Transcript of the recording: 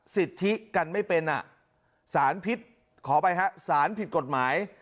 สิทธิกันไม่เป็นสารพิษขออภัยฮะสารผิดกฎหมาย